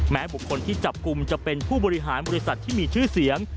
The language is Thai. บุคคลที่จับกลุ่มจะเป็นผู้บริหารบริษัทที่มีชื่อเสียง